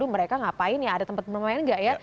mereka ngapain ya ada tempat bermain gak ya